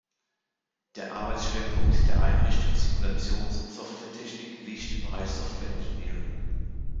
Der Arbeitsschwerpunkt der Einrichtung Simulations- und Softwaretechnik liegt im Bereich Software Engineering.